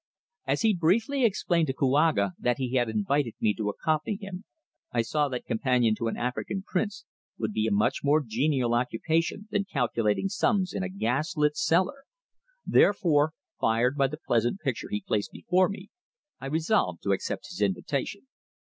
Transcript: As he briefly explained to Kouaga that he had invited me to accompany him I saw that companion to an African prince would be a much more genial occupation than calculating sums in a gas lit cellar; therefore, fired by the pleasant picture he placed before me, I resolved to accept his invitation.